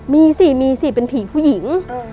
มีสิมีสิเป็นผีผู้หญิง